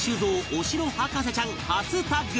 お城博士ちゃん初タッグ！